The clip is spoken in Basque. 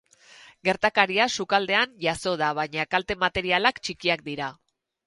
Gertakaria sukaldean jazo da, baina kalte materialak txikiak dira.